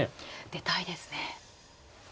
出たいですね。